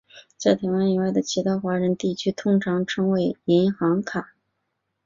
在台湾以外的其他华人地区通常称为银行卡。